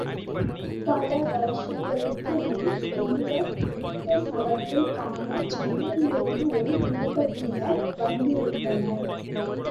பல வருஷங்களுக்கு முன் இந்த உத்சவத்தைக் காண சென்னையிலிருந்து ஒரு குடும்பத்தினர் வந்திருந்தனர்.